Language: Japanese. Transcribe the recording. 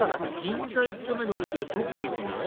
銀座一丁目で降りてどこ行くの？